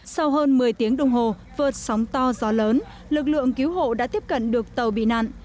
sau hơn một mươi tiếng đồng hồ vượt sóng to gió lớn lực lượng cứu hộ đã tiếp cận được tàu bị nạn